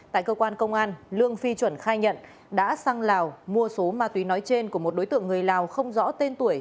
tại cơ quan công an lương phi chuẩn khai nhận đã sang lào mua số ma túy nói trên của một đối tượng người lào không rõ tên tuổi